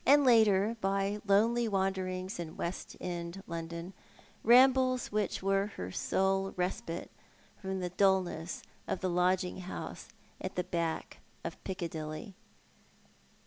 later by lonely wanderings in West End London, rambles wliicli ■were her sole respite from the dullness of the lodging house at the back of Piccadilly.